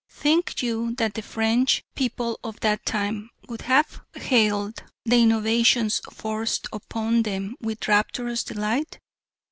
Think you that the French people of that time would have hailed the innovations forced upon them with rapturous delight?